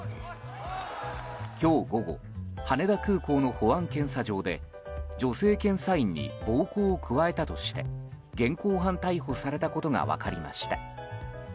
今日午後羽田空港の保安検査場で女性検査員に暴行を加えたとして現行犯逮捕されたことが分かりました。